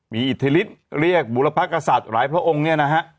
มีอิทธิฤทธิ์เรียกบุรพกษัตริย์หลายพระองค์เนี่ยนะฮะ